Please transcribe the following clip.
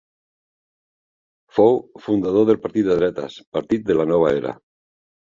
Fou fundador del partit de dretes Partit de la Nova Era.